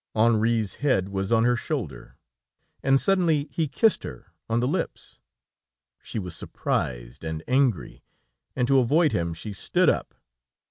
Henri's head was on her shoulder, and suddenly he kissed her on the lips. She was surprised and angry, and, to avoid him, she stood up.